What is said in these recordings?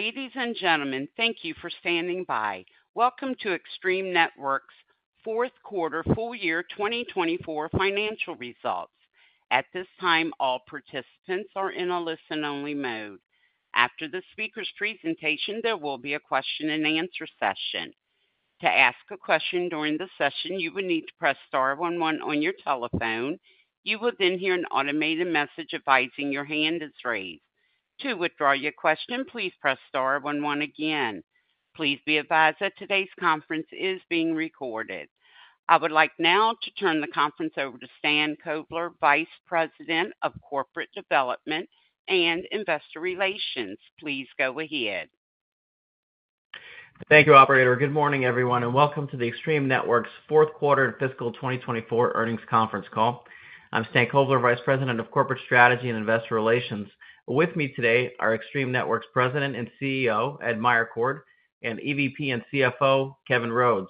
Ladies and gentlemen, thank you for standing by. Welcome to Extreme Networks' fourth quarter full year 2024 financial results. At this time, all participants are in a listen-only mode. After the speaker's presentation, there will be a question-and-answer session. To ask a question during the session, you will need to press star one one on your telephone. You will then hear an automated message advising your hand is raised. To withdraw your question, please press star one one again. Please be advised that today's conference is being recorded. I would like now to turn the conference over to Stan Kovler, Vice President of Corporate Development and Investor Relations. Please go ahead. Thank you, operator. Good morning, everyone, and welcome to the Extreme Networks fourth quarter fiscal 2024 earnings conference call. I'm Stan Kovler, Vice President of Corporate Strategy and Investor Relations. With me today are Extreme Networks President and CEO, Ed Meyercord, and EVP and CFO, Kevin Rhodes.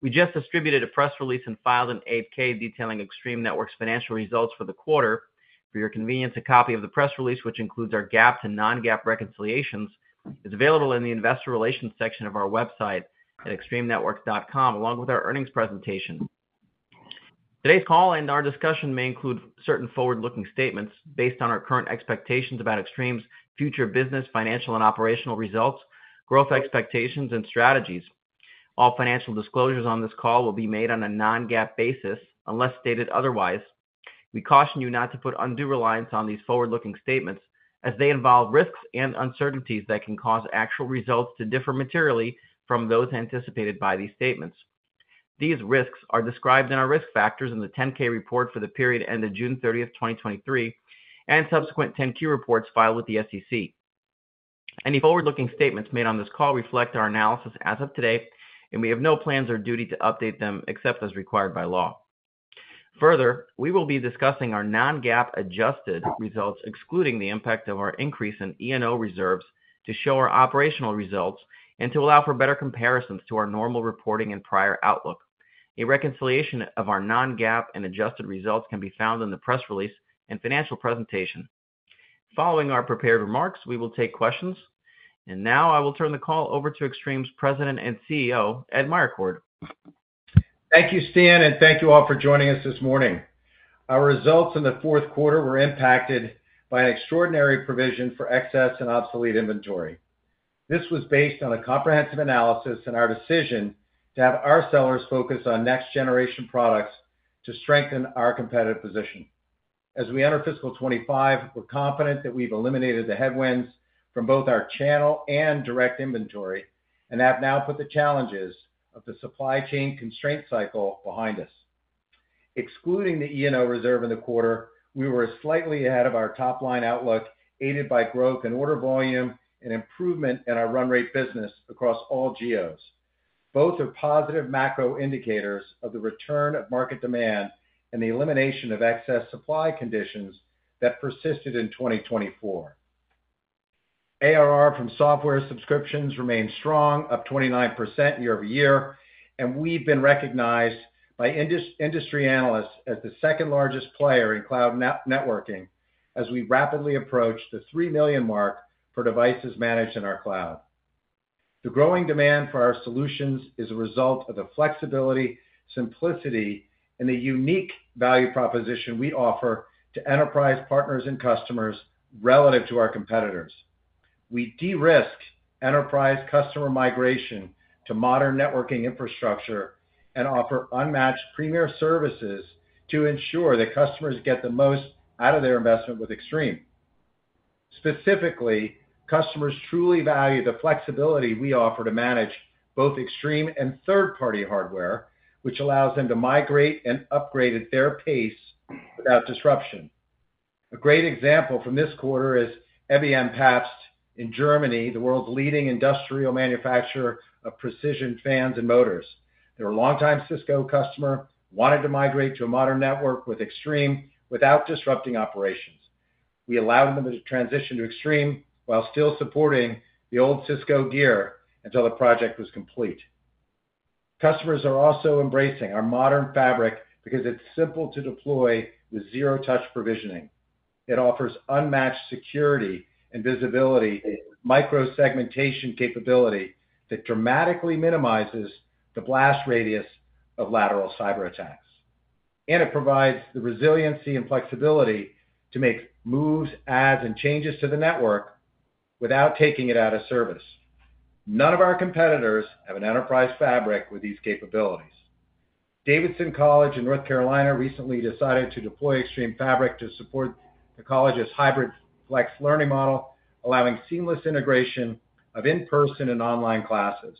We just distributed a press release and filed an 8-K detailing Extreme Networks' financial results for the quarter. For your convenience, a copy of the press release, which includes our GAAP and non-GAAP reconciliations, is available in the investor relations section of our website at extremenetworks.com, along with our earnings presentation. Today's call and our discussion may include certain forward-looking statements based on our current expectations about Extreme's future business, financial, and operational results, growth expectations, and strategies. All financial disclosures on this call will be made on a non-GAAP basis unless stated otherwise. We caution you not to put undue reliance on these forward-looking statements as they involve risks and uncertainties that can cause actual results to differ materially from those anticipated by these statements. These risks are described in our risk factors in the 10-K report for the period ended June 30, 2023, and subsequent 10-Q reports filed with the SEC. Any forward-looking statements made on this call reflect our analysis as of today, and we have no plans or duty to update them except as required by law. Further, we will be discussing our non-GAAP adjusted results, excluding the impact of our increase in E&O reserves, to show our operational results and to allow for better comparisons to our normal reporting and prior outlook. A reconciliation of our non-GAAP and adjusted results can be found in the press release and financial presentation. Following our prepared remarks, we will take questions, and now I will turn the call over to Extreme's President and CEO, Ed Meyercord. Thank you, Stan, and thank you all for joining us this morning. Our results in the fourth quarter were impacted by an extraordinary provision for excess and obsolete inventory. This was based on a comprehensive analysis and our decision to have our sellers focus on next-generation products to strengthen our competitive position. As we enter fiscal 25, we're confident that we've eliminated the headwinds from both our channel and direct inventory and have now put the challenges of the supply chain constraint cycle behind us. Excluding the E&O reserve in the quarter, we were slightly ahead of our top-line outlook, aided by growth in order volume and improvement in our run rate business across all geos. Both are positive macro indicators of the return of market demand and the elimination of excess supply conditions that persisted in 2024. ARR from software subscriptions remained strong, up 29% year-over-year, and we've been recognized by industry analysts as the second-largest player in cloud networking as we rapidly approach the three million mark for devices managed in our cloud. The growing demand for our solutions is a result of the flexibility, simplicity, and the unique value proposition we offer to enterprise partners and customers relative to our competitors. We de-risk enterprise customer migration to modern networking infrastructure and offer unmatched premier services to ensure that customers get the most out of their investment with Extreme. Specifically, customers truly value the flexibility we offer to manage both Extreme and third-party hardware, which allows them to migrate and upgrade at their pace without disruption. A great example from this quarter is ebm-papst in Germany, the world's leading industrial manufacturer of precision fans and motors. They're a longtime Cisco customer, wanted to migrate to a modern network with Extreme without disrupting operations. We allowed them to transition to Extreme while still supporting the old Cisco gear until the project was complete. Customers are also embracing our modern fabric because it's simple to deploy with zero-touch provisioning. It offers unmatched security and visibility, micro-segmentation capability that dramatically minimizes the blast radius of lateral cyberattacks. And it provides the resiliency and flexibility to make moves, adds, and changes to the network without taking it out of service. None of our competitors have an enterprise fabric with these capabilities. Davidson College in North Carolina recently decided to deploy Extreme Fabric to support the college's hybrid flex learning model, allowing seamless integration of in-person and online classes.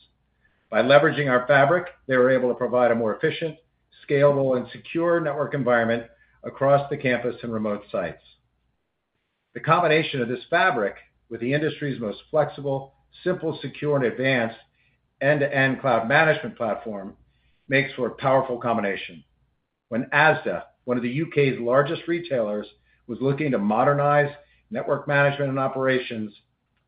By leveraging our fabric, they were able to provide a more efficient, scalable, and secure network environment across the campus and remote sites. The combination of this fabric with the industry's most flexible, simple, secure, and advanced end-to-end cloud management platform makes for a powerful combination. When ASDA, one of the U.K.'s largest retailers, was looking to modernize network management and operations,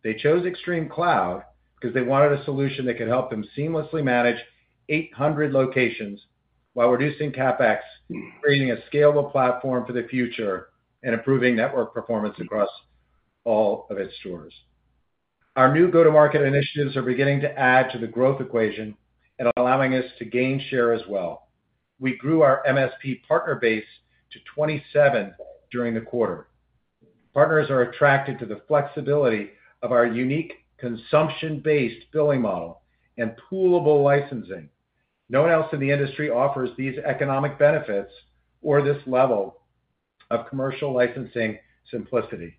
they chose ExtremeCloud because they wanted a solution that could help them seamlessly manage 800 locations while reducing CapEx, creating a scalable platform for the future, and improving network performance across all of its stores. Our new go-to-market initiatives are beginning to add to the growth equation and allowing us to gain share as well. We grew our MSP partner base to 27 during the quarter. Partners are attracted to the flexibility of our unique consumption-based billing model and poolable licensing. No one else in the industry offers these economic benefits or this level of commercial licensing simplicity.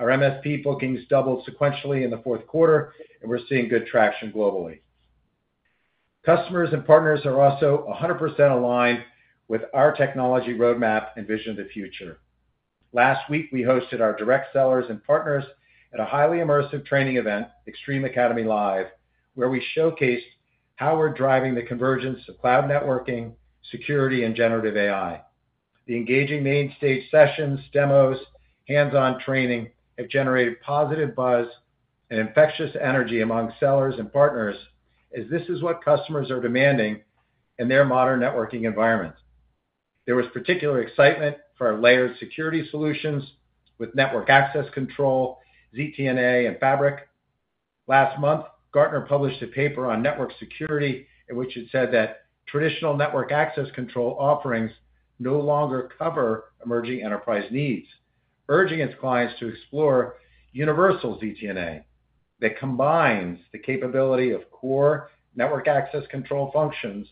Our MSP bookings doubled sequentially in the fourth quarter, and we're seeing good traction globally. Customers and partners are also 100% aligned with our technology roadmap and vision of the future. Last week, we hosted our direct sellers and partners at a highly immersive training event, Extreme Academy Live, where we showcased how we're driving the convergence of cloud networking, security, and generative AI. The engaging main stage sessions, demos, hands-on training, have generated positive buzz and infectious energy among sellers and partners, as this is what customers are demanding in their modern networking environment. There was particular excitement for our layered security solutions with network access control, ZTNA, and Fabric. Last month, Gartner published a paper on network security, in which it said that traditional network access control offerings no longer cover emerging enterprise needs, urging its clients to explore Universal ZTNA that combines the capability of core network access control functions,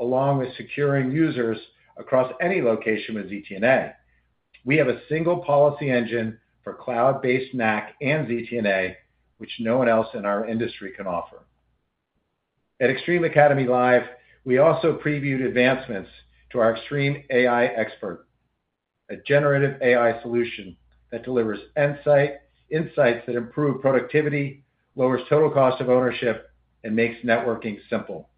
along with securing users across any location with ZTNA. We have a single policy engine for cloud-based NAC and ZTNA, which no one else in our industry can offer. At Extreme Academy Live, we also previewed advancements to our Extreme AI Expert, a generative AI solution that delivers insight, insights that improve productivity, lowers total cost of ownership, and makes networking simple.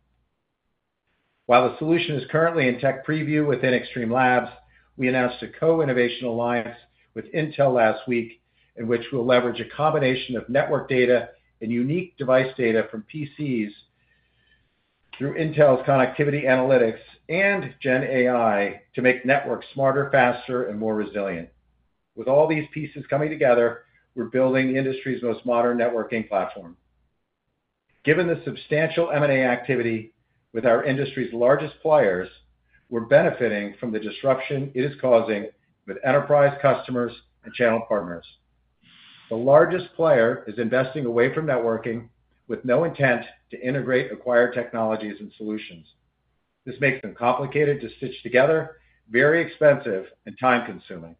While the solution is currently in tech preview within Extreme Labs, we announced a co-innovation alliance with Intel last week, in which we'll leverage a combination of network data and unique device data from PCs through Intel's Connectivity Analytics and GenAI to make networks smarter, faster, and more resilient. With all these pieces coming together, we're building the industry's most modern networking platform. Given the substantial M&A activity with our industry's largest players, we're benefiting from the disruption it is causing with enterprise customers and channel partners. The largest player is investing away from networking with no intent to integrate acquired technologies and solutions. This makes them complicated to stitch together, very expensive and time-consuming.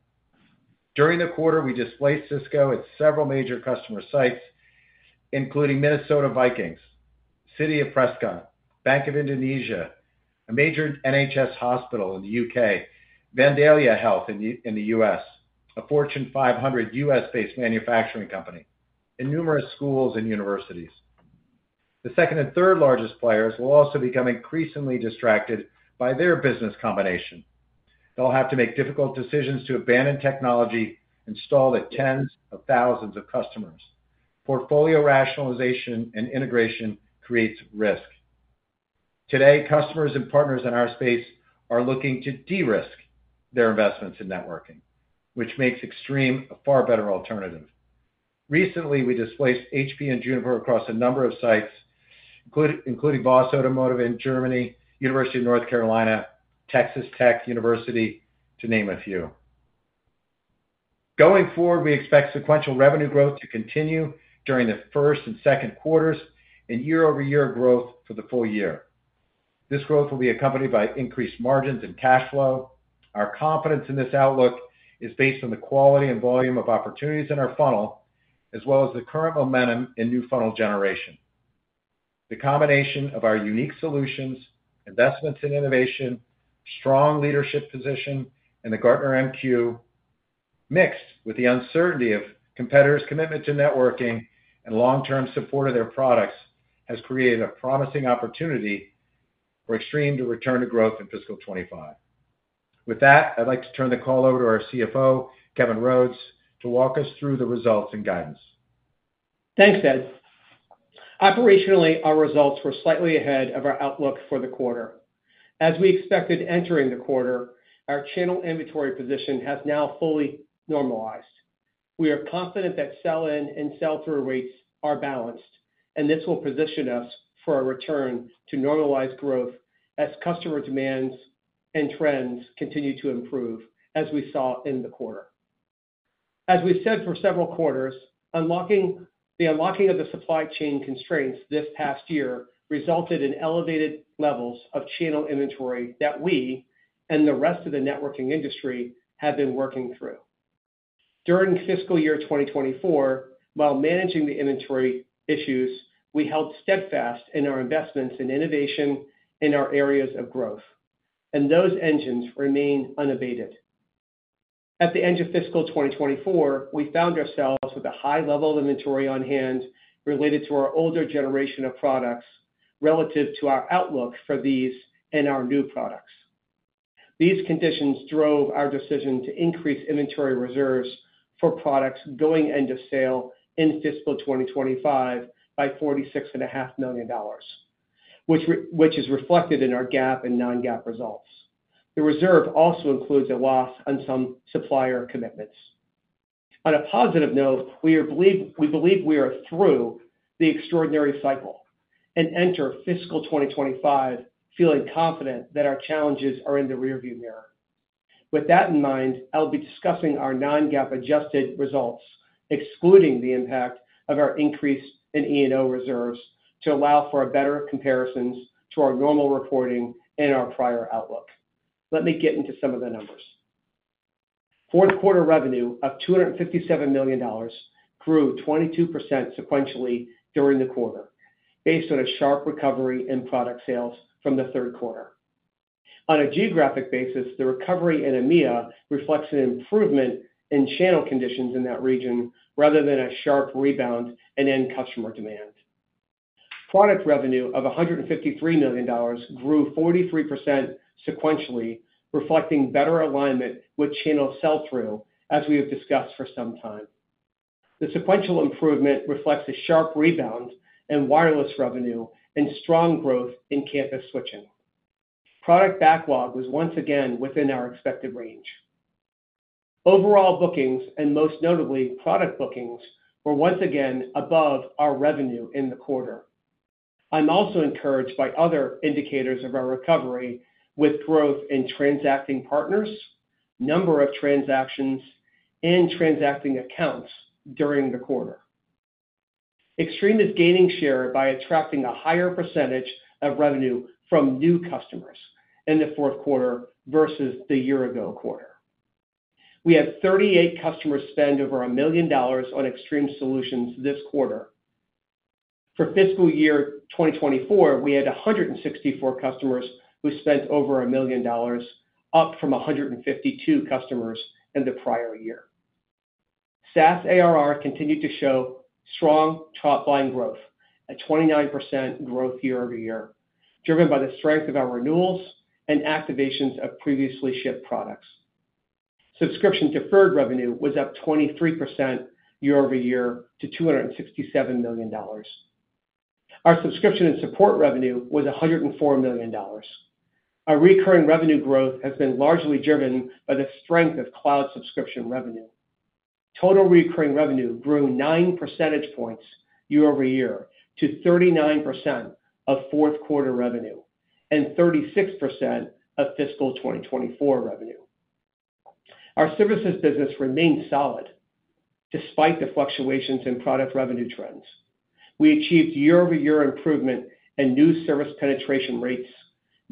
During the quarter, we displaced Cisco at several major customer sites, including Minnesota Vikings, City of Prescott, Bank Indonesia, a major NHS hospital in the U.K., Vandalia Health in the U.S., a Fortune 500 US-based manufacturing company, and numerous schools and universities. The second and third largest players will also become increasingly distracted by their business combination. They'll have to make difficult decisions to abandon technology, install the tens of thousands of customers. Portfolio rationalization and integration creates risk. Today, customers and partners in our space are looking to de-risk their investments in networking, which makes Extreme a far better alternative. Recently, we displaced HP and Juniper across a number of sites, including BOS Automotive in Germany, University of North Carolina, Texas Tech University, to name a few. Going forward, we expect sequential revenue growth to continue during the first and second quarters, and year-over-year growth for the full year. This growth will be accompanied by increased margins and cash flow. Our confidence in this outlook is based on the quality and volume of opportunities in our funnel, as well as the current momentum in new funnel generation. The combination of our unique solutions, investments in innovation, strong leadership position, and the Gartner MQ, mixed with the uncertainty of competitors' commitment to networking and long-term support of their products, has created a promising opportunity for Extreme to return to growth in fiscal 2025. With that, I'd like to turn the call over to our CFO, Kevin Rhodes, to walk us through the results and guidance. Thanks, Ed. Operationally, our results were slightly ahead of our outlook for the quarter. As we expected entering the quarter, our channel inventory position has now fully normalized. We are confident that sell-in and sell-through rates are balanced, and this will position us for a return to normalized growth as customer demands and trends continue to improve, as we saw in the quarter. As we've said for several quarters, unlocking of the supply chain constraints this past year resulted in elevated levels of channel inventory that we and the rest of the networking industry have been working through. During fiscal year 2024, while managing the inventory issues, we held steadfast in our investments in innovation in our areas of growth, and those engines remain unabated. At the end of fiscal 2024, we found ourselves with a high level of inventory on hand related to our older generation of products relative to our outlook for these and our new products. These conditions drove our decision to increase inventory reserves for products going end of sale in fiscal 2025 by $46.5 million, which is reflected in our GAAP and non-GAAP results. The reserve also includes a loss on some supplier commitments. On a positive note, we believe we are through the extraordinary cycle and enter fiscal 2025 feeling confident that our challenges are in the rearview mirror. With that in mind, I'll be discussing our non-GAAP adjusted results, excluding the impact of our increase in E&O reserves, to allow for a better comparisons to our normal reporting and our prior outlook. Let me get into some of the numbers. Fourth quarter revenue of $257 million grew 22% sequentially during the quarter, based on a sharp recovery in product sales from the third quarter. On a geographic basis, the recovery in EMEA reflects an improvement in channel conditions in that region, rather than a sharp rebound in end customer demand. Product revenue of $153 million grew 43% sequentially, reflecting better alignment with channel sell-through, as we have discussed for some time. The sequential improvement reflects a sharp rebound in wireless revenue and strong growth in campus switching. Product backlog was once again within our expected range. Overall bookings, and most notably, product bookings, were once again above our revenue in the quarter. I'm also encouraged by other indicators of our recovery, with growth in transacting partners, number of transactions, and transacting accounts during the quarter. Extreme is gaining share by attracting a higher percentage of revenue from new customers in the fourth quarter versus the year-ago quarter. We had 38 customers spend over $1 million on Extreme Solutions this quarter. For fiscal year 2024, we had 164 customers who spent over $1 million, up from 152 customers in the prior year. SaaS ARR continued to show strong top-line growth at 29% year-over-year, driven by the strength of our renewals and activations of previously shipped products. Subscription deferred revenue was up 23% year-over-year to $267 million. Our subscription and support revenue was $104 million. Our recurring revenue growth has been largely driven by the strength of cloud subscription revenue. Total recurring revenue grew nine percentage points year-over-year to 39% of fourth quarter revenue and 36% of fiscal 2024 revenue. Our services business remained solid, despite the fluctuations in product revenue trends. We achieved year-over-year improvement in new service penetration rates,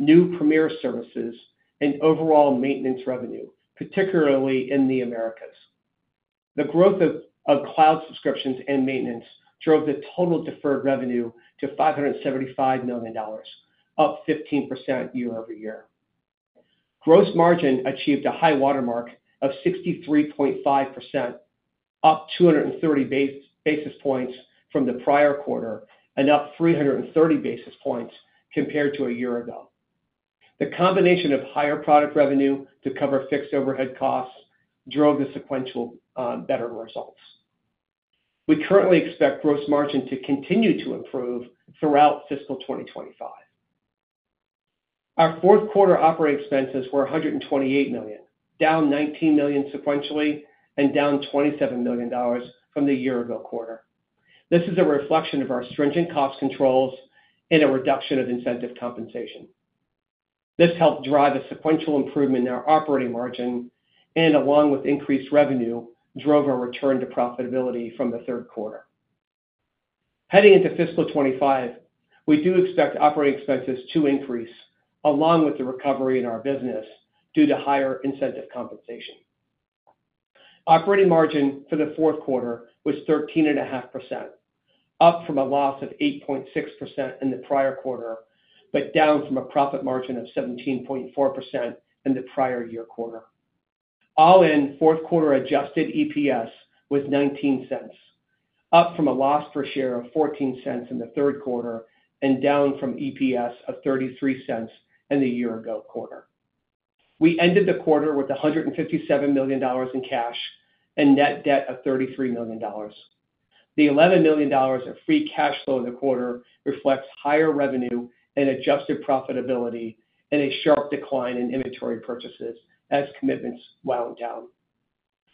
new premier services, and overall maintenance revenue, particularly in the Americas. The growth of cloud subscriptions and maintenance drove the total deferred revenue to $575 million, up 15% year-over-year. Gross margin achieved a high watermark of 63.5%, up 230 basis points from the prior quarter and up 330 basis points compared to a year ago. The combination of higher product revenue to cover fixed overhead costs drove the sequential better results. We currently expect gross margin to continue to improve throughout fiscal 2025. Our fourth quarter operating expenses were $128 million, down $19 million sequentially and down $27 million from the year-ago quarter. This is a reflection of our stringent cost controls and a reduction of incentive compensation. This helped drive a sequential improvement in our operating margin, and along with increased revenue, drove our return to profitability from the third quarter. Heading into fiscal 2025, we do expect operating expenses to increase, along with the recovery in our business, due to higher incentive compensation. Operating margin for the fourth quarter was 13.5%, up from a loss of 8.6% in the prior quarter, but down from a profit margin of 17.4% in the prior year quarter. All in, fourth quarter adjusted EPS was $0.19, up from a loss per share of $0.14 in the third quarter and down from EPS of $0.33 in the year-ago quarter. We ended the quarter with $157 million in cash and net debt of $33 million. The $11 million of free cash flow in the quarter reflects higher revenue and adjusted profitability and a sharp decline in inventory purchases as commitments wound down.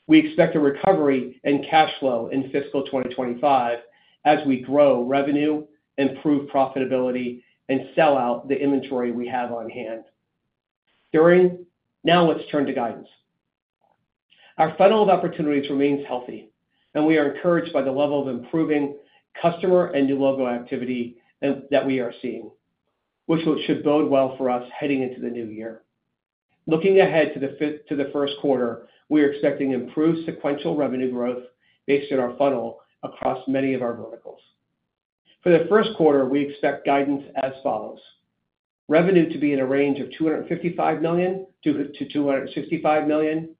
We expect a recovery in cash flow in fiscal 2025 as we grow revenue, improve profitability, and sell out the inventory we have on hand. Now, let's turn to guidance. Our funnel of opportunities remains healthy, and we are encouraged by the level of improving customer and new logo activity that we are seeing, which should bode well for us heading into the new year. Looking ahead to the first quarter, we are expecting improved sequential revenue growth based on our funnel across many of our verticals. For the first quarter, we expect guidance as follows: Revenue to be in a range of $255 million-$265 million.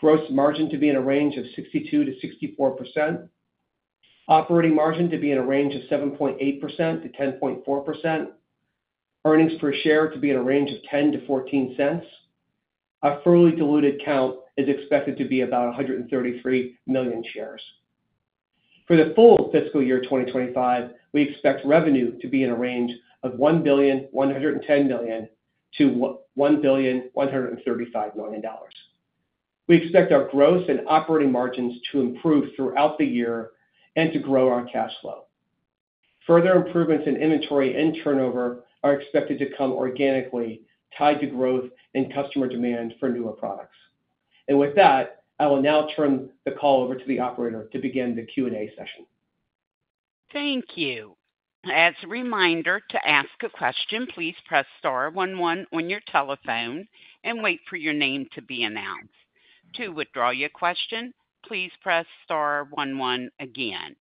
Gross margin to be in a range of 62%-64%. Operating margin to be in a range of 7.8%-10.4%. Earnings per share to be in a range of $0.10-$0.14. Our fully diluted count is expected to be about 133 million shares. For the full fiscal year 2025, we expect revenue to be in a range of $1.11 billion-$1.135 billion. We expect our gross and operating margins to improve throughout the year and to grow our cash flow. Further improvements in inventory and turnover are expected to come organically, tied to growth and customer demand for newer products. With that, I will now turn the call over to the operator to begin the Q&A session. Thank you. As a reminder, to ask a question, please press star one one on your telephone and wait for your name to be announced. To withdraw your question, please press star one one again.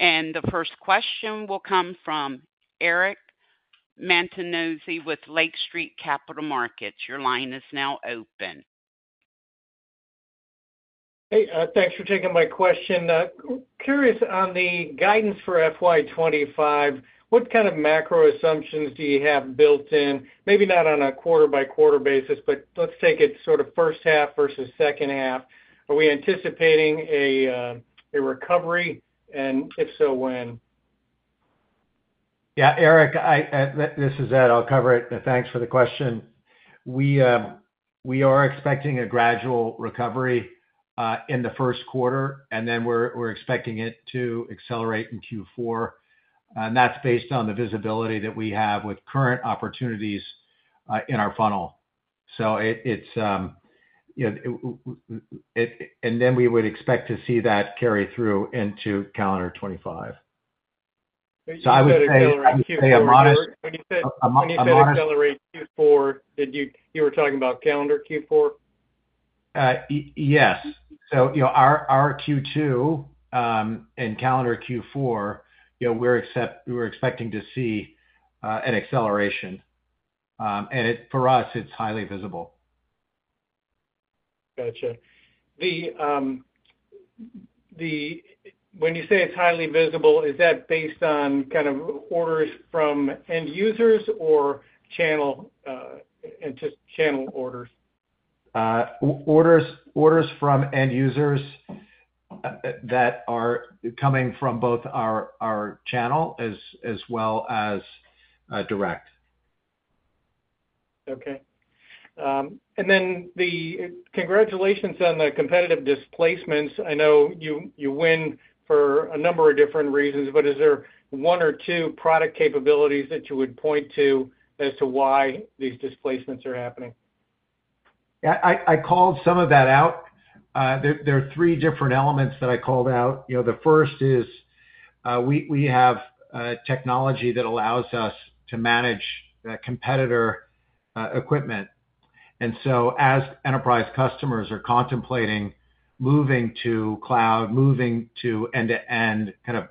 And the first question will come from Eric Martinuzzi with Lake Street Capital Markets. Your line is now open. Hey, thanks for taking my question. Curious on the guidance for FY 2025, what kind of macro assumptions do you have built in? Maybe not on a quarter-by-quarter basis, but let's take it sort of first half versus second half. Are we anticipating a recovery, and if so, when? Yeah, Eric, I, this is Ed. I'll cover it, and thanks for the question. We, we are expecting a gradual recovery in the first quarter, and then we're expecting it to accelerate in Q4, and that's based on the visibility that we have with current opportunities in our funnel. So it's, you know, and then we would expect to see that carry through into calendar 2025. So I would say a modest- When you said accelerate Q4, did you—you were talking about calendar Q4? Yes. So, you know, our Q2 and calendar Q4, you know, we're expecting to see an acceleration, and it, for us, it's highly visible. Gotcha. When you say it's highly visible, is that based on kind of orders from end users or channel into channel orders? Orders from end users that are coming from both our channel as well as direct. Okay. And then the congratulations on the competitive displacements. I know you, you win for a number of different reasons, but is there one or two product capabilities that you would point to as to why these displacements are happening? Yeah, I called some of that out. There are three different elements that I called out. You know, the first is, we have a technology that allows us to manage the competitor equipment. And so as enterprise customers are contemplating moving to cloud, moving to end-to-end, kind of,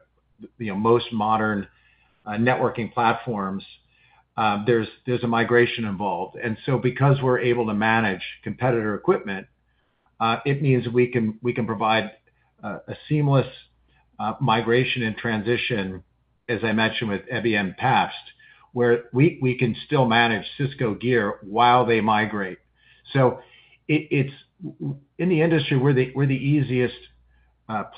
you know, most modern networking platforms, there's a migration involved. And so because we're able to manage competitor equipment, it means we can provide a seamless migration and transition, as I mentioned, with ebm-papst, where we can still manage Cisco gear while they migrate. So it's in the industry, we're the easiest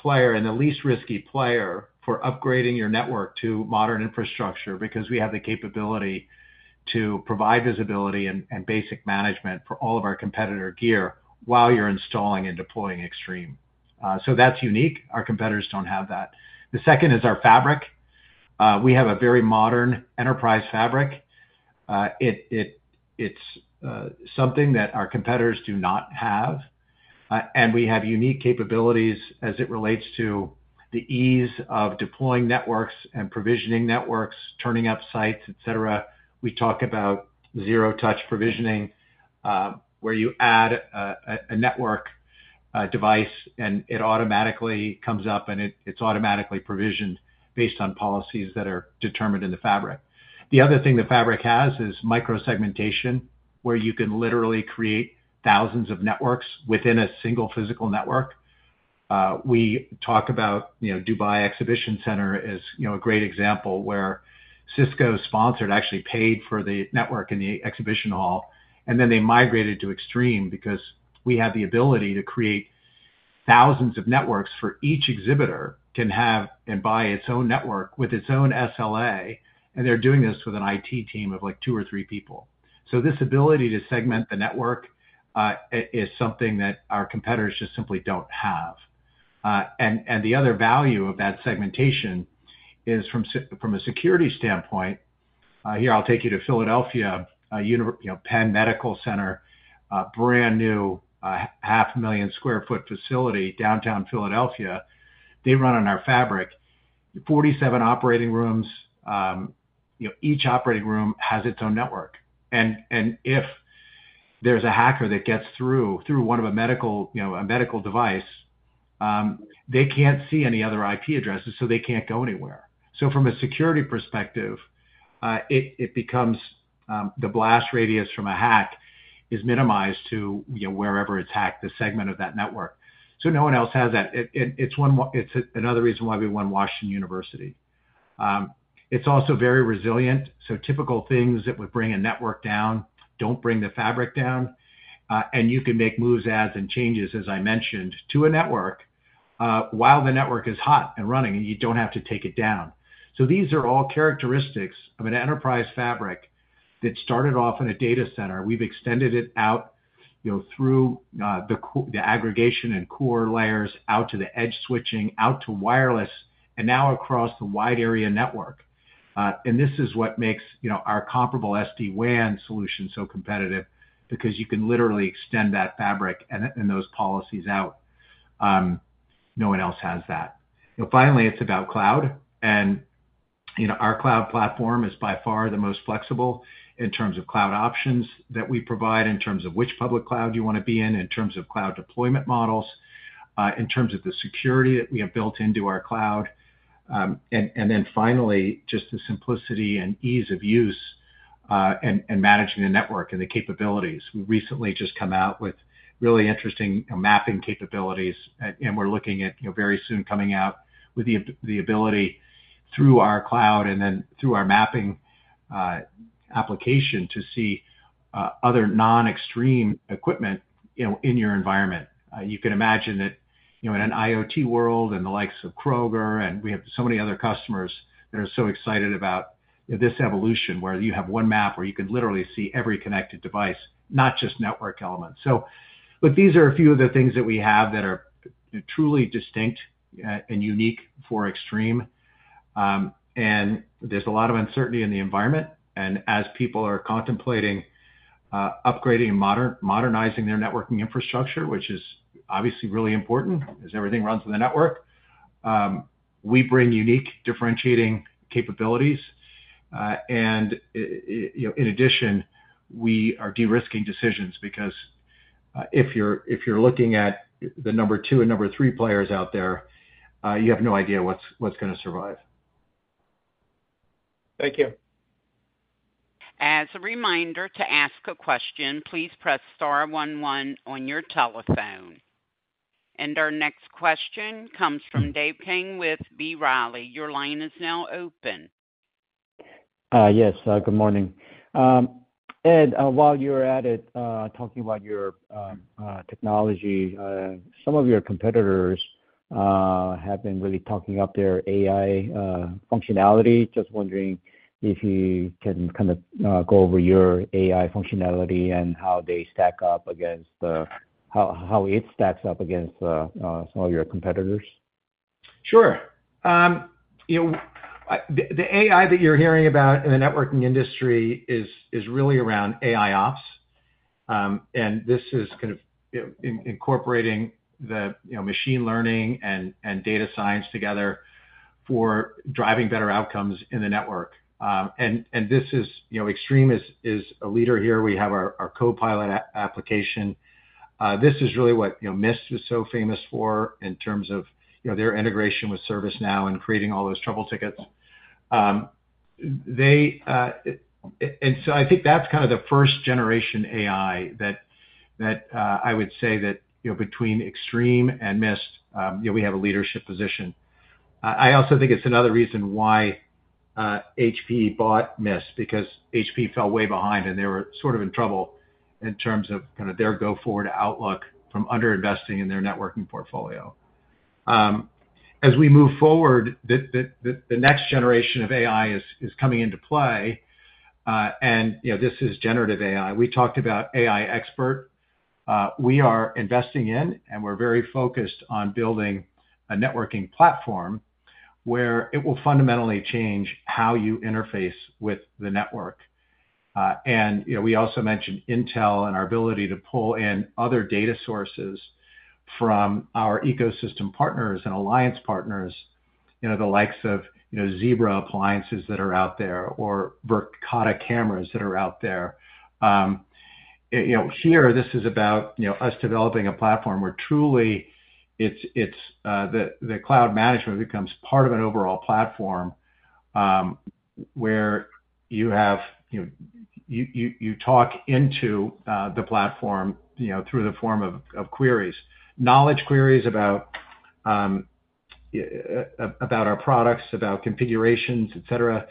player and the least risky player for upgrading your network to modern infrastructure because we have the capability to provide visibility and basic management for all of our competitor gear while you're installing and deploying Extreme. So that's unique. Our competitors don't have that. The second is our fabric. We have a very modern enterprise fabric. It's something that our competitors do not have, and we have unique capabilities as it relates to the ease of deploying networks and provisioning networks, turning up sites, et cetera. We talk about zero-touch provisioning, where you add a network device, and it automatically comes up, and it's automatically provisioned based on policies that are determined in the fabric. The other thing the fabric has is micro-segmentation, where you can literally create thousands of networks within a single physical network. We talk about, you know, Dubai Exhibition Centre as, you know, a great example, where Cisco sponsored, actually paid for the network in the exhibition hall, and then they migrated to Extreme because we had the ability to create thousands of networks for each exhibitor, can have and buy its own network with its own SLA, and they're doing this with an IT team of, like, two or three people. So this ability to segment the network is something that our competitors just simply don't have. And the other value of that segmentation is from a security standpoint. Here I'll take you to Philadelphia, Penn Medical Center, a brand-new, 500,000-square-foot facility, downtown Philadelphia. They run on our fabric. 47 operating rooms, you know, each operating room has its own network. And if there's a hacker that gets through, through one of a medical, you know, a medical device, they can't see any other IP addresses, so they can't go anywhere. So from a security perspective, it becomes the blast radius from a hack is minimized to, you know, wherever it's hacked, the segment of that network. So no one else has that. It's another reason why we won Washington University. It's also very resilient, so typical things that would bring a network down don't bring the fabric down. And you can make moves, adds, and changes, as I mentioned, to a network, while the network is hot and running, and you don't have to take it down. So these are all characteristics of an enterprise fabric that started off in a data center. We've extended it out, you know, through the aggregation and core layers, out to the edge switching, out to wireless, and now across the wide area network. And this is what makes, you know, our comparable SD-WAN solution so competitive, because you can literally extend that fabric and those policies out. No one else has that. Finally, it's about cloud, and, you know, our cloud platform is by far the most flexible in terms of cloud options that we provide, in terms of which public cloud you wanna be in, in terms of cloud deployment models, in terms of the security that we have built into our cloud. And then finally, just the simplicity and ease of use, and managing the network and the capabilities. We recently just come out with really interesting, you know, mapping capabilities, and we're looking at, you know, very soon coming out with the ability through our cloud and then through our mapping application, to see other non-Extreme equipment, you know, in your environment. You can imagine that, you know, in an IoT world and the likes of Kroger, and we have so many other customers that are so excited about this evolution, where you have one map, where you can literally see every connected device, not just network elements. But these are a few of the things that we have that are truly distinct, and unique for Extreme. And there's a lot of uncertainty in the environment, and as people are contemplating upgrading and modernizing their networking infrastructure, which is obviously really important as everything runs on the network, we bring unique differentiating capabilities. And you know, in addition, we are de-risking decisions because if you're looking at the number two and number three players out there, you have no idea what's gonna survive. Thank you. As a reminder, to ask a question, please press star one one on your telephone. And our next question comes from Dave Kang with B. Riley. Your line is now open. Yes, good morning. Ed, while you're at it, talking about your technology, some of your competitors have been really talking up their AI functionality. Just wondering if you can kinda go over your AI functionality and how it stacks up against some of your competitors? Sure. You know, the AI that you're hearing about in the networking industry is really around AIOPS. And this is kind of, you know, incorporating the, you know, machine learning and data science together for driving better outcomes in the network. And this is, you know, Extreme is a leader here. We have our CoPilot application. This is really what, you know, Mist was so famous for in terms of, you know, their integration with ServiceNow and creating all those trouble tickets. And so I think that's kind of the first generation AI that I would say that, you know, between Extreme and Mist, you know, we have a leadership position. I also think it's another reason why HP bought Mist, because HP fell way behind, and they were sort of in trouble in terms of kind of their go-forward outlook from under-investing in their networking portfolio. As we move forward, the next generation of AI is coming into play, and, you know, this is generative AI. We talked about AI Expert. We are investing in, and we're very focused on building a networking platform, where it will fundamentally change how you interface with the network. And, you know, we also mentioned Intel and our ability to pull in other data sources from our ecosystem partners and alliance partners, you know, the likes of, you know, Zebra appliances that are out there or Verkada cameras that are out there. You know, this is about, you know, us developing a platform where truly it's the cloud management becomes part of an overall platform, where you have, you know, you talk into the platform, you know, through the form of queries. Knowledge queries about about our products, about configurations, et cetera.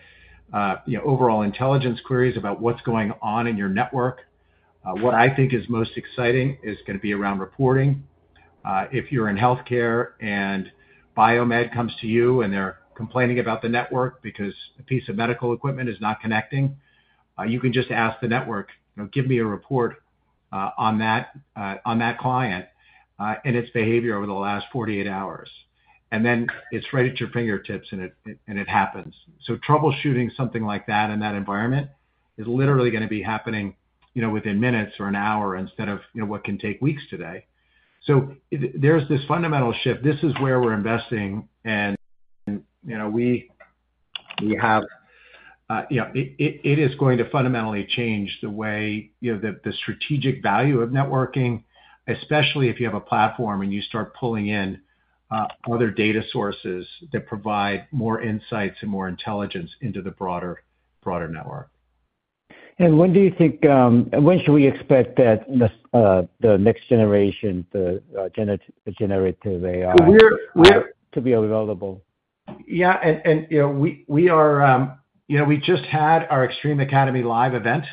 You know, overall intelligence queries about what's going on in your network. What I think is most exciting is gonna be around reporting. If you're in healthcare, and biomed comes to you and they're complaining about the network because a piece of medical equipment is not connecting, you can just ask the network, "Give me a report on that client and its behavior over the last 48 hours." And then it's right at your fingertips, and it happens. So troubleshooting something like that in that environment is literally gonna be happening, you know, within minutes or an hour instead of, you know, what can take weeks today. So there's this fundamental shift. This is where we're investing, and, you know, we have. You know, it is going to fundamentally change the way, you know, the strategic value of networking, especially if you have a platform and you start pulling in other data sources that provide more insights and more intelligence into the broader network. When do you think, and when should we expect the next generation, the generative AI? We're, we're- To be available? Yeah, you know, we are, you know, we just had our Extreme Academy Live event,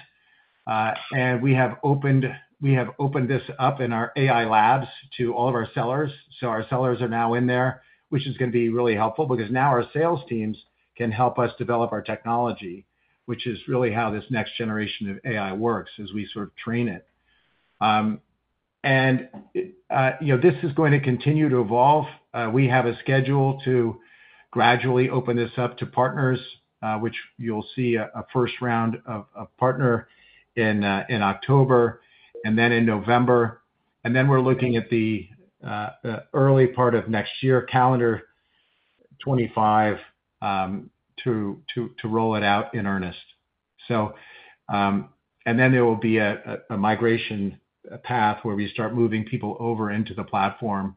and we have opened this up in our Extreme Labs to all of our sellers. So our sellers are now in there, which is gonna be really helpful because now our sales teams can help us develop our technology, which is really how this next generation of AI works, as we sort of train it. And it, you know, this is going to continue to evolve. We have a schedule to gradually open this up to partners, which you'll see a first round of partners in October and then in November. And then we're looking at the early part of next year, calendar 2025, to roll it out in earnest. So, and then there will be a migration path where we start moving people over into the platform,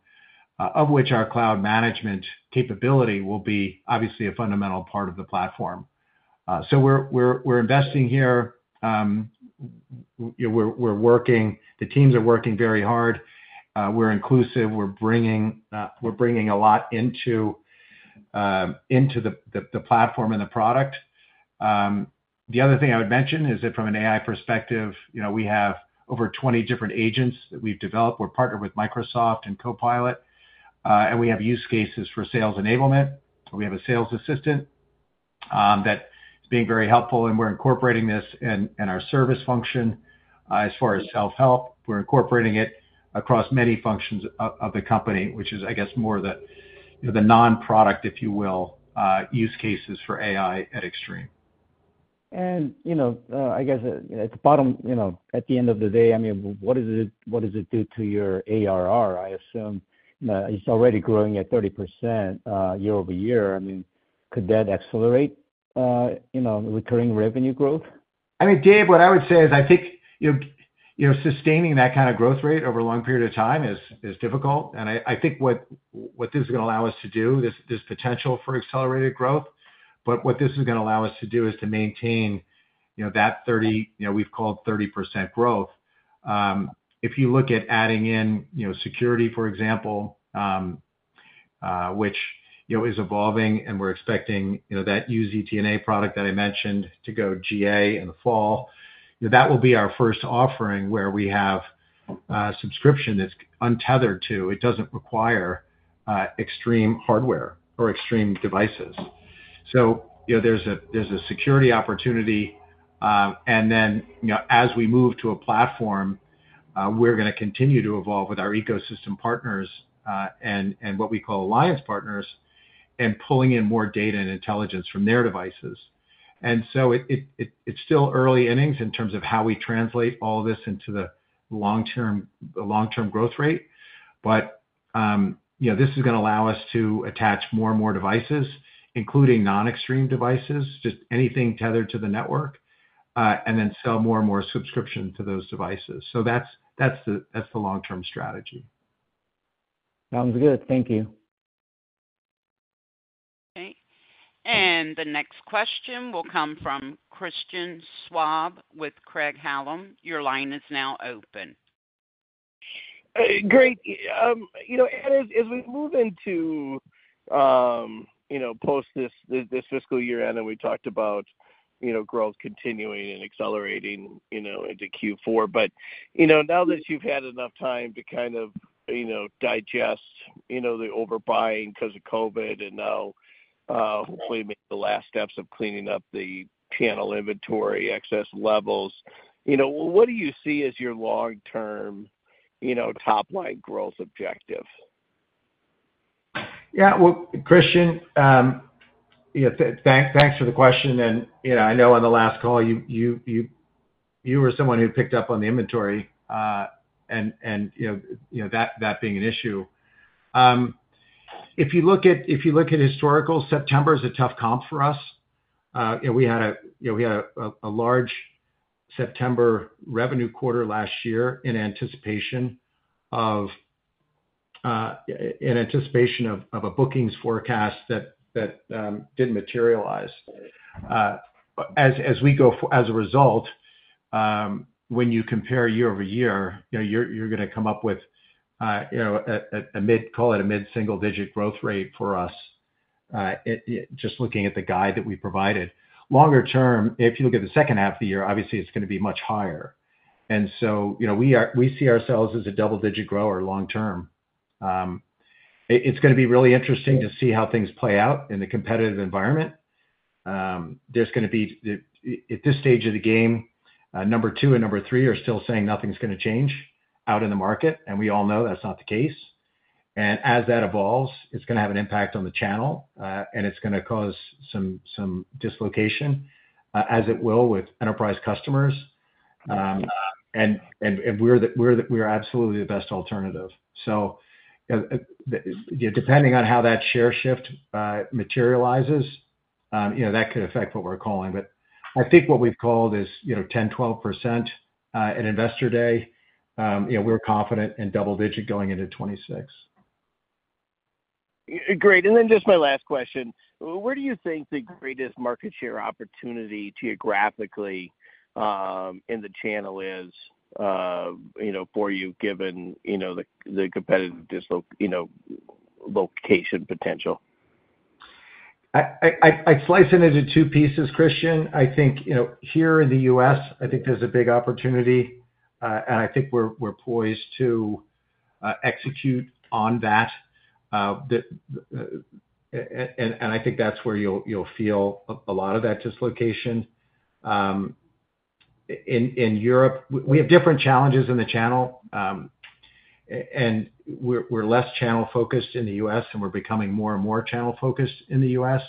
of which our cloud management capability will be obviously a fundamental part of the platform. So we're investing here. You know, we're working. The teams are working very hard. We're inclusive, we're bringing a lot into the platform and the product. The other thing I would mention is that from an AI perspective, you know, we have over 20 different agents that we've developed. We're partnered with Microsoft and CoPilot, and we have use cases for sales enablement. We have a sales assistant that is being very helpful, and we're incorporating this in our service function. As far as self-help, we're incorporating it across many functions of the company, which is, I guess, more the, you know, the non-product, if you will, use cases for AI at Extreme. You know, I guess at the bottom, you know, at the end of the day, I mean, what does it, what does it do to your ARR? I assume, it's already growing at 30%, year-over-year. I mean, could that accelerate, you know, recurring revenue growth? I mean, Dave, what I would say is, I think, you know, you know, sustaining that kind of growth rate over a long period of time is, is difficult. And I, I think what, what this is gonna allow us to do, there's, there's potential for accelerated growth, but what this is gonna allow us to do is to maintain, you know, that 30, you know, we've called 30% growth. If you look at adding in, you know, security, for example, which, you know, is evolving, and we're expecting, you know, that Universal ZTNA product that I mentioned to go GA in the fall, you know, that will be our first offering where we have, subscription that's untethered to... It doesn't require, Extreme hardware or Extreme devices. So, you know, there's a, there's a security opportunity. and then, you know, as we move to a platform, we're gonna continue to evolve with our ecosystem partners, and, and what we call alliance partners, and pulling in more data and intelligence from their devices. And so it, it's still early innings in terms of how we translate all this into the long-term, long-term growth rate. But, you know, this is gonna allow us to attach more and more devices, including non-Extreme devices, just anything tethered to the network, and then sell more and more subscription to those devices. So that's, that's the long-term strategy. Sounds good. Thank you. Okay, and the next question will come from Christian Schwab with Craig-Hallum. Your line is now open. Great. You know, as we move into, you know, post this fiscal year end, and we talked about, you know, growth continuing and accelerating, you know, into Q4. But, you know, now that you've had enough time to kind of, you know, digest, you know, the overbuying 'cause of COVID and now, hopefully, make the last steps of cleaning up the panel inventory, excess levels, you know, what do you see as your long-term, you know, top-line growth objective? Yeah. Well, Christian, you know, thanks, thanks for the question, and, you know, I know on the last call, you, you, you, you were someone who picked up on the inventory, and, and, you know, you know, that, that being an issue. If you look at, if you look at historical, September is a tough comp for us. You know, we had a, you know, we had a, a, a large September revenue quarter last year in anticipation of, in anticipation of, of a bookings forecast that, that, didn't materialize. But as, as we go f- as a result, when you compare year-over-year, you know, you're, you're gonna come up with, you know, a, a, a mid-call it a mid-single-digit growth rate for us, just looking at the guide that we provided. Longer term, if you look at the second half of the year, obviously it's gonna be much higher. And so, you know, we see ourselves as a double-digit grower long term. It's gonna be really interesting to see how things play out in the competitive environment. There's gonna be at this stage of the game, number two and number three are still saying nothing's gonna change out in the market, and we all know that's not the case. And as that evolves, it's gonna have an impact on the channel, and it's gonna cause some dislocation, as it will with enterprise customers. And we are absolutely the best alternative. So, you know, depending on how that share shift materializes, you know, that could affect what we're calling. But I think what we've called is, you know, 10%-12% at Investor Day. You know, we're confident in double-digit going into 2026. Great. And then just my last question: Where do you think the greatest market share opportunity geographically in the channel is, you know, for you, given, you know, the competitive dislocation potential? I'd slice it into two pieces, Christian. I think, you know, here in the U.S., I think there's a big opportunity, and I think we're poised to execute on that. And I think that's where you'll feel a lot of that dislocation. In Europe, we have different challenges in the channel, and we're less channel-focused in the U.S., and we're becoming more and more channel-focused in the U.S.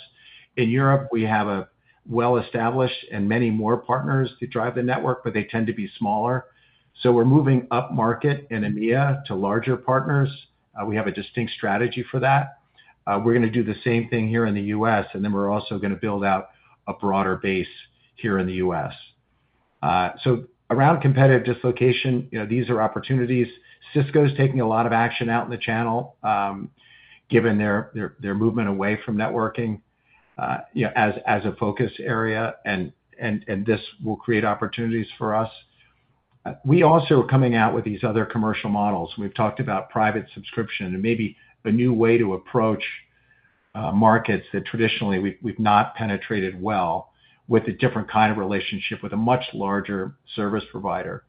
In Europe, we have a well-established and many more partners to drive the network, but they tend to be smaller. So we're moving upmarket in EMEA to larger partners. We have a distinct strategy for that. We're gonna do the same thing here in the U.S., and then we're also gonna build out a broader base here in the U.S. So around competitive dislocation, you know, these are opportunities. Cisco's taking a lot of action out in the channel, given their movement away from networking, you know, as a focus area, and this will create opportunities for us. We also are coming out with these other commercial models. We've talked about private subscription and maybe a new way to approach markets that traditionally we've not penetrated well with a different kind of relationship with a much larger service provider.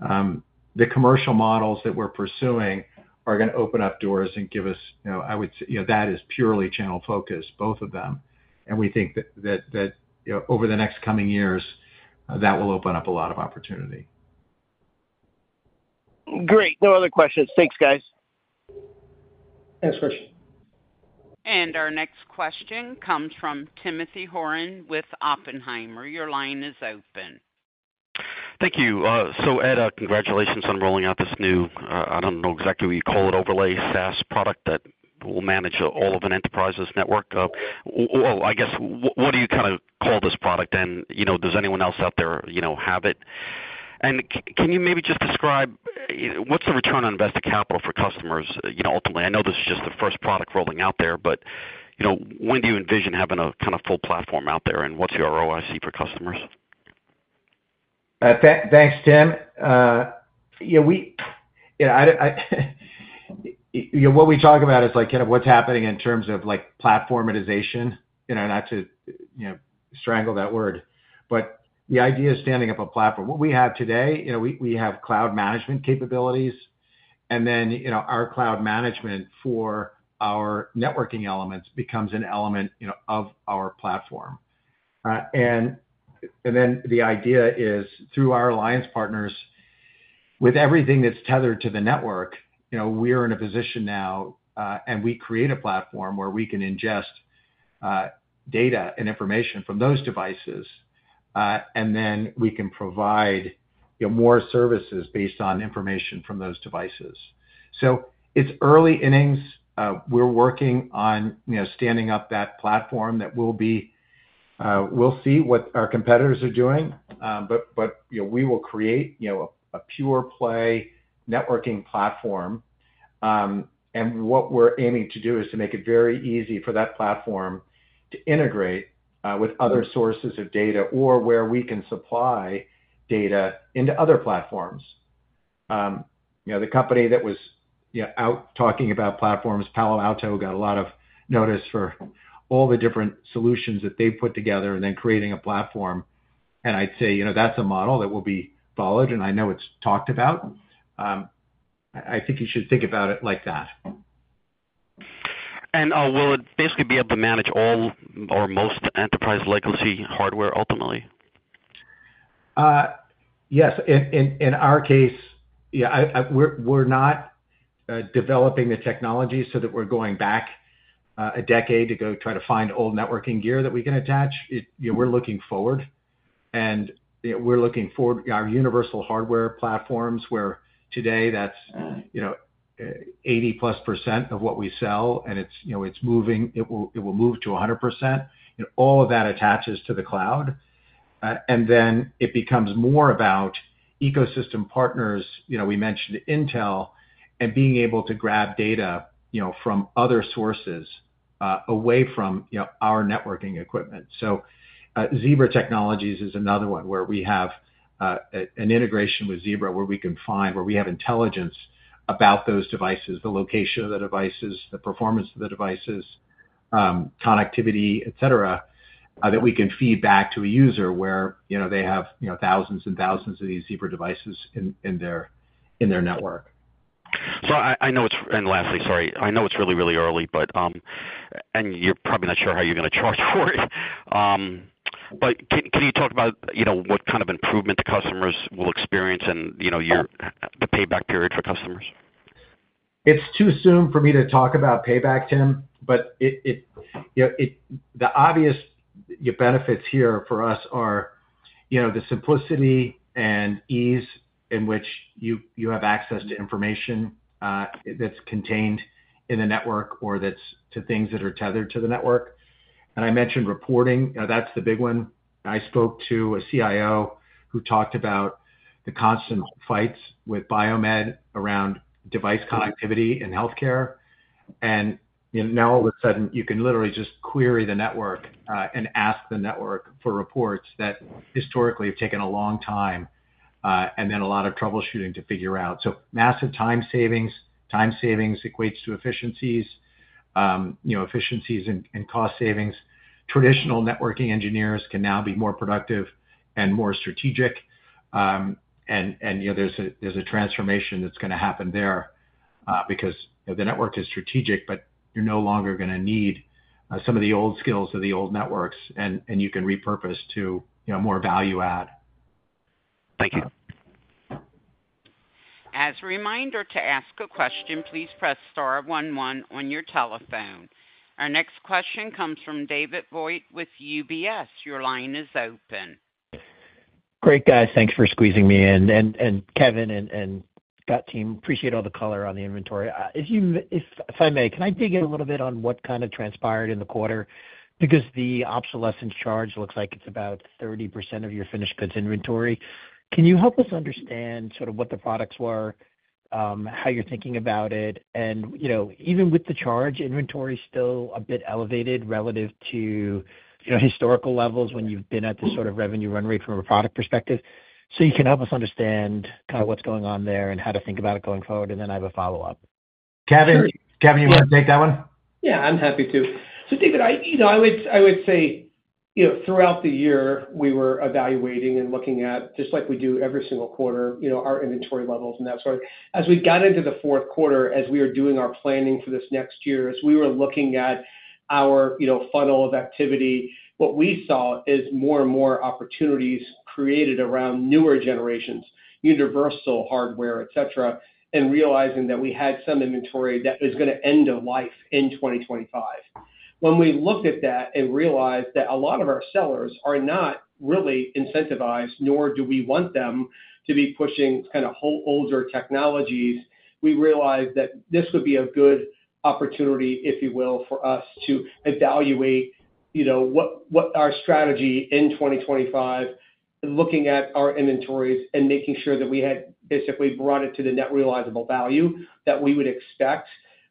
The commercial models that we're pursuing are gonna open up doors and give us, you know, I would say, you know, that is purely channel-focused, both of them. And we think that, you know, over the next coming years, that will open up a lot of opportunity. Great. No other questions. Thanks, guys. Thanks, Christian. Our next question comes from Timothy Horan with Oppenheimer. Your line is open. Thank you. So Ed, congratulations on rolling out this new, I don't know exactly what you call it, overlay SaaS product that will manage all of an enterprise's network. Well, I guess, what do you kind of call this product, and, you know, does anyone else out there, you know, have it? And can you maybe just describe, what's the return on invested capital for customers, you know, ultimately? I know this is just the first product rolling out there, but, you know, when do you envision having a kind of full platform out there, and what's the ROIC for customers? Thanks, Tim. Yeah, you know, what we talk about is, like, kind of what's happening in terms of, like, platformization, you know, not to, you know, strangle that word. But the idea is standing up a platform. What we have today, you know, we have cloud management capabilities, and then, you know, our cloud management for our networking elements becomes an element, you know, of our platform. And then the idea is, through our alliance partners, with everything that's tethered to the network, you know, we're in a position now, and we create a platform where we can ingest data and information from those devices, and then we can provide, you know, more services based on information from those devices. So it's early innings. We're working on, you know, standing up that platform that will be-- we'll see what our competitors are doing, but, but, you know, we will create, you know, a pure play networking platform. And what we're aiming to do is to make it very easy for that platform to integrate, with other sources of data or where we can supply data into other platforms. You know, the company that was, you know, out talking about platforms, Palo Alto, got a lot of notice for all the different solutions that they put together and then creating a platform. And I'd say, you know, that's a model that will be followed, and I know it's talked about. I think you should think about it like that. Will it basically be able to manage all or most enterprise legacy hardware, ultimately? Yes. In our case, yeah, we're not developing the technology so that we're going back a decade to go try to find old networking gear that we can attach. You know, we're looking forward, and you know, we're looking for our Universal Hardware platforms, where today that's 80%+ of what we sell, and it's moving. It will move to 100%, and all of that attaches to the cloud. And then it becomes more about ecosystem partners, you know, we mentioned Intel, and being able to grab data, you know, from other sources away from our networking equipment. So, Zebra Technologies is another one, where we have an integration with Zebra, where we can find, where we have intelligence about those devices, the location of the devices, the performance of the devices, connectivity, et cetera, that we can feed back to a user where, you know, they have, you know, thousands and thousands of these Zebra devices in their network. So, I know it's, and lastly, sorry. I know it's really, really early, but, and you're probably not sure how you're gonna charge for it. But can you talk about, you know, what kind of improvement the customers will experience and, you know, your, the payback period for customers? It's too soon for me to talk about payback, Tim, but you know, the obvious, you know, benefits here for us are you know, the simplicity and ease in which you have access to information that's contained in the network or that's to things that are tethered to the network. And I mentioned reporting. Now, that's the big one. I spoke to a CIO who talked about the constant fights with biomed around device connectivity in healthcare, and, you know, now all of a sudden, you can literally just query the network and ask the network for reports that historically have taken a long time and then a lot of troubleshooting to figure out. So massive time savings. Time savings equates to efficiencies, you know, efficiencies and cost savings. Traditional networking engineers can now be more productive and more strategic. And you know, there's a transformation that's gonna happen there, because you know, the network is strategic, but you're no longer gonna need some of the old skills of the old networks, and you can repurpose to, you know, more value add. Thank you. As a reminder, to ask a question, please press star one one on your telephone. Our next question comes from David Vogt with UBS. Your line is open. Great, guys. Thanks for squeezing me in. And Kevin and Stan team, appreciate all the color on the inventory. If I may, can I dig in a little bit on what kind of transpired in the quarter? Because the obsolescence charge looks like it's about 30% of your finished goods inventory. Can you help us understand sort of what the products were, how you're thinking about it? And, you know, even with the charge, inventory is still a bit elevated relative to, you know, historical levels when you've been at this sort of revenue run rate from a product perspective. So you can help us understand kind of what's going on there and how to think about it going forward, and then I have a follow-up. Kevin? Kevin, you wanna take that one? Yeah, I'm happy to. So, David, I, You know, I would, I would say, you know, throughout the year, we were evaluating and looking at, just like we do every single quarter, you know, our inventory levels and that sort. As we got into the fourth quarter, as we were doing our planning for this next year, as we were looking at our, you know, funnel of activity, what we saw is more and more opportunities created around newer generations, Universal Hardware, et cetera, and realizing that we had some inventory that was gonna end of life in 2025. When we looked at that and realized that a lot of our sellers are not really incentivized, nor do we want them to be pushing kinda old, older technologies, we realized that this would be a good opportunity, if you will, for us to evaluate, you know, what, what our strategy in 2025, looking at our inventories and making sure that we had basically brought it to the net realizable value that we would expect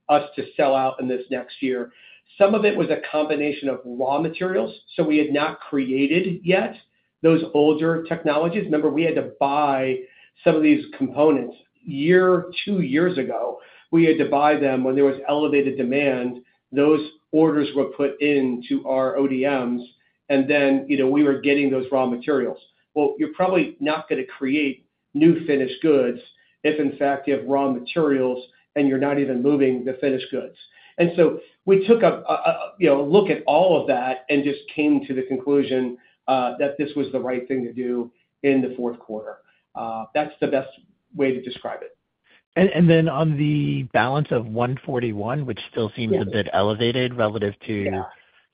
us to sell out in this next year. Some of it was a combination of raw materials, so we had not created yet those older technologies. Remember, we had to buy some of these components. A year, two years ago, we had to buy them when there was elevated demand. Those orders were put into our ODMs, and then, you know, we were getting those raw materials. Well, you're probably not gonna create new finished goods if in fact you have raw materials and you're not even moving the finished goods. And so we took a, you know, look at all of that and just came to the conclusion that this was the right thing to do in the fourth quarter. That's the best way to describe it. And then on the balance of $141, which still seems- Yeah A bit elevated relative to- Yeah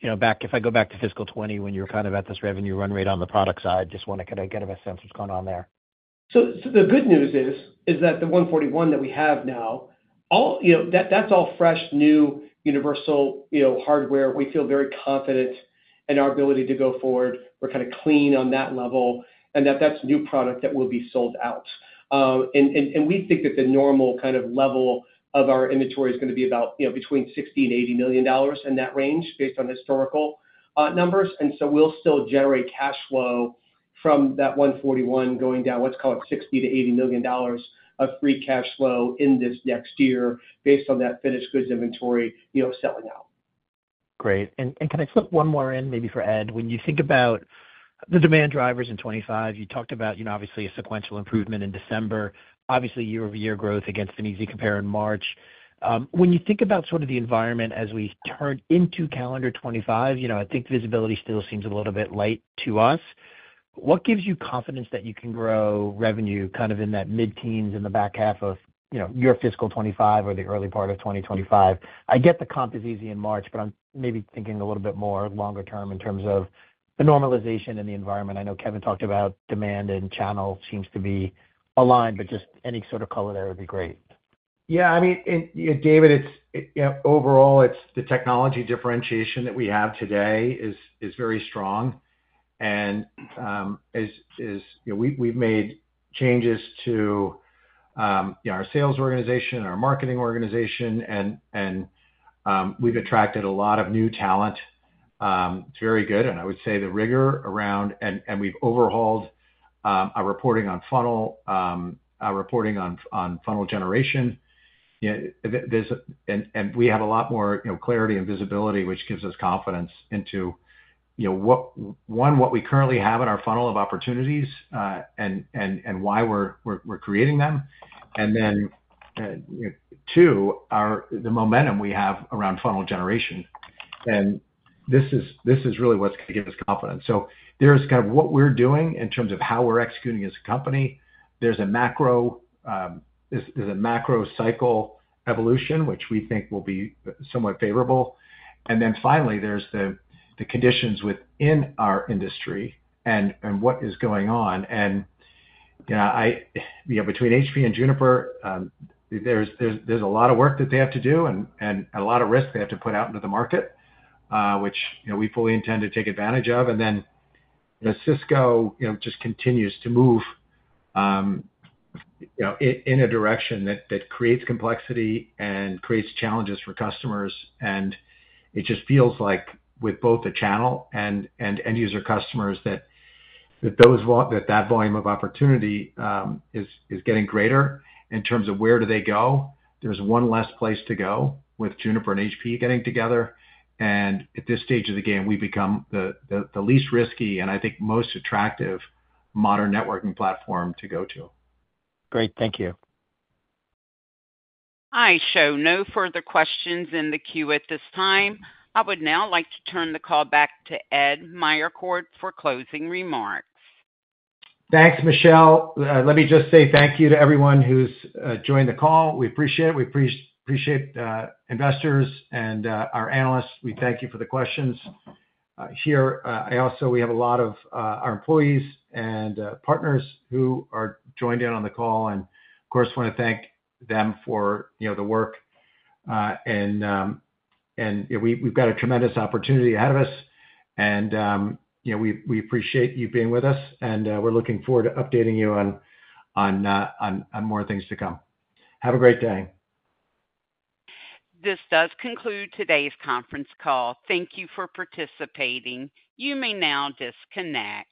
You know, back, if I go back to fiscal 2020 when you were kind of at this revenue run rate on the product side, just wanna get, get a better sense of what's going on there. So the good news is that the 141 that we have now, all you know, that's all fresh, new, Universal, you know, Hardware. We feel very confident in our ability to go forward. We're kinda clean on that level, and that's new product that will be sold out. And we think that the normal kind of level of our inventory is gonna be about, you know, between $60 million and $80 million in that range, based on historical numbers. And so we'll still generate cash flow from that 141 going down, let's call it $60 million-$80 million of free cash flow in this next year based on that finished goods inventory, you know, selling out. Great. And, and can I slip one more in, maybe for Ed? When you think about the demand drivers in 2025, you talked about, you know, obviously, a sequential improvement in December, obviously, year-over-year growth against an easy compare in March. When you think about sort of the environment as we turn into calendar 2025, you know, I think visibility still seems a little bit light to us. What gives you confidence that you can grow revenue kind of in that mid-teens in the back half of, you know, your fiscal 2025 or the early part of 2025? I get the comp is easy in March, but I'm maybe thinking a little bit more longer term in terms of the normalization in the environment. I know Kevin talked about demand and channel seems to be aligned, but just any sort of color there would be great. Yeah, I mean, yeah, David, it's, you know, overall, it's the technology differentiation that we have today is very strong. You know, we've made changes to, you know, our sales organization and our marketing organization, and we've attracted a lot of new talent. It's very good, and I would say the rigor around... We've overhauled our reporting on funnel, our reporting on funnel generation. You know, there's... We have a lot more, you know, clarity and visibility, which gives us confidence into, you know, what, one, what we currently have in our funnel of opportunities, and why we're creating them, and then, two, the momentum we have around funnel generation. This is really what's gonna give us confidence. So there's kind of what we're doing in terms of how we're executing as a company. There's a macro, there's a macro cycle evolution, which we think will be somewhat favorable. And then finally, there's the conditions within our industry and what is going on. And, you know, you know, between HP and Juniper, there's a lot of work that they have to do and a lot of risk they have to put out into the market, which, you know, we fully intend to take advantage of. And then, you know, Cisco, you know, just continues to move, you know, in a direction that creates complexity and creates challenges for customers. And it just feels like with both the channel and end user customers, that those volume of opportunity is getting greater. In terms of where do they go, there's one less place to go with Juniper and HP getting together, and at this stage of the game, we've become the least risky, and I think, most attractive modern networking platform to go to. Great. Thank you. I show no further questions in the queue at this time. I would now like to turn the call back to Ed Meyercord for closing remarks. Thanks, Michelle. Let me just say thank you to everyone who's joined the call. We appreciate it. We appreciate investors and our analysts. We thank you for the questions here. I also, we have a lot of our employees and partners who are joined in on the call, and of course, wanna thank them for, you know, the work. And, and, you know, we, we've got a tremendous opportunity ahead of us, and, you know, we, we appreciate you being with us, and, we're looking forward to updating you on, on more things to come. Have a great day. This does conclude today's conference call. Thank you for participating. You may now disconnect.